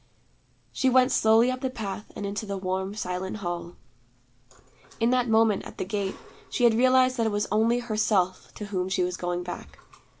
She went slowly up the path and into the warm silent hall. In that moment at the gate, she had realized that it was only Herself to whom she was going back.